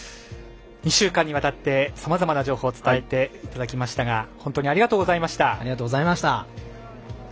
２週間にわたって、さまざまな情報を伝えてもらいましたがありがとうございました。